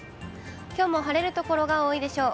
きょうも晴れる所が多いでしょう。